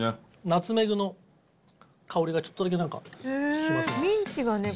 ナツメグの香りがちょっとだけなんかしますね。